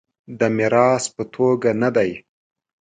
د میراث په توګه نه دی.